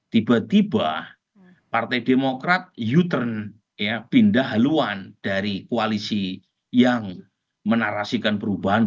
tiba tiba partai demokrat you turn pindah haluan dari koalisi yang menarasikan perubahan